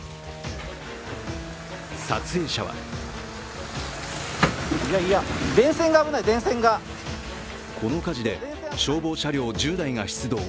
撮影者はこの火事で消防車両１０台が出動。